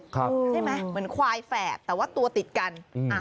ใช่ไหมเหมือนควายแฝดแต่ว่าตัวติดกัน